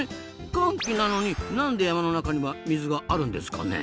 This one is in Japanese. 乾季なのになんで山の中には水があるんですかね？